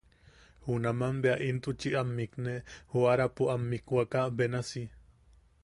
Junaman bea intuchi am mikne joarapo am mikwaka benasi.